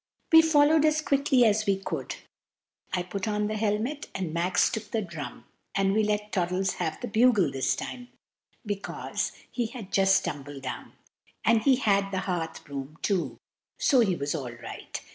We followed as quickly as we could. I put on the helmet, and Max took the drum, and we let Toddles have the bugle this time, because he had just tumbled down; and he had the hearth broom, too, so he was all right.